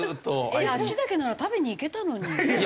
えっ足だけなら食べに行けたのに。